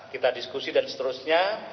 kita diskusi dan seterusnya